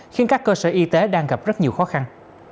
khiến các cơ sở y tế đang gặp rất nhiều khó khăn